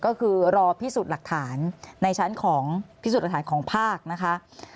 ก็คือรอพิสูจน์หลักฐานในชั้นของพิสูจน์หลักฐานของภาคนะคะ